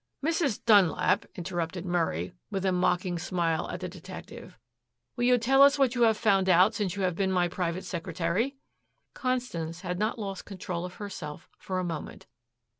"Mrs. Dunlap," interrupted Murray, with a mocking smile at the detective, "will you tell us what you have found out since you have been my private secretary?" Constance had not lost control of herself for a moment.